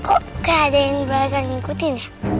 kok gak ada yang berasa ngikutin ya